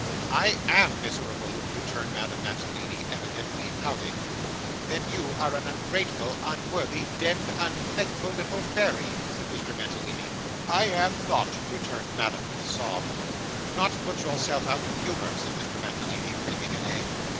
'I AM miserable,' returned Madame Mantalini, evidently pouting. 'Then you are an ungrateful, unworthy, demd unthankful little fairy,' said Mr. Mantalini. 'I am not,' returned Madame, with a sob. 'Do not put itself out of humour,' said Mr. Mantalini, breaking an egg.